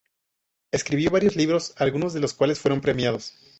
Escribió varios libros, algunos de los cuales fueron premiados.